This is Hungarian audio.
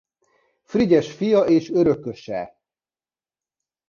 Frigyes fia és örököse.